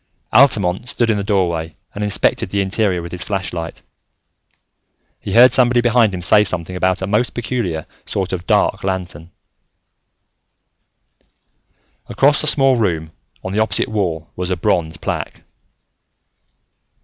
Altamont stood in the doorway and inspected the interior with his flashlight; he heard somebody behind him say something about a most peculiar sort of dark lantern. Across the small room, on the opposite wall, was a bronze plaque.